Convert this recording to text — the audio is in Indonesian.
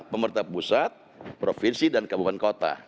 pemerintah pusat provinsi dan kabupaten kota